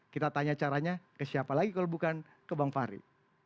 kita tanya caranya ke siapa lagi kalau bukan ke bang fahri